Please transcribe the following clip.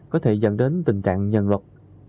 có thể dẫn đến tình trạng nhân luật